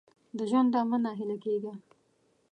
د ژونده مه نا هیله کېږه !